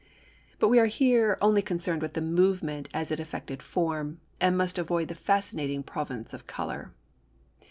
But we are here only concerned with the movement as it affected form, and must avoid the fascinating province of colour.